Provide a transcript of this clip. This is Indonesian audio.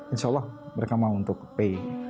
insya allah mereka mau untuk pay